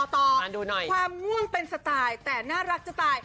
ต่อความง่วงเป็นสไตล์แต่น่ารักจะตาย